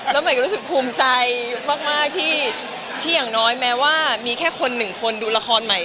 แล้วใหม่ก็รู้สึกภูมิใจมากที่อย่างน้อยแม้ว่ามีแค่คนหนึ่งคนดูละครใหม่